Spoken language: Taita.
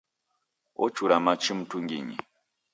Ochura machi mtunginyi